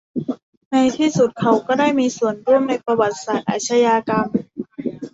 ในที่สุดเขาก็ได้มีส่วนร่วมในประวัติศาสตร์อาชญากรรม